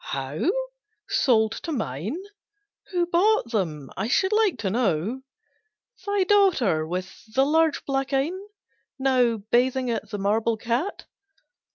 "How! Sold to mine? Who bought them, I should like to know." "Thy daughter, with the large black eyne, Now bathing at the marble ghat."